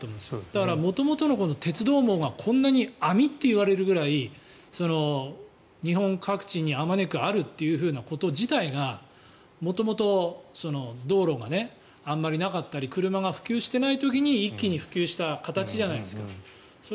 だから、元々の鉄道網がこんなに網といわれるくらい日本各地にあまねくあるということ自体が元々、道路があまりなかったり車が普及していない時に一気に普及した形じゃないですか。